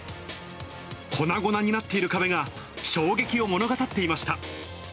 粉々になっている壁が衝撃を物語っていました。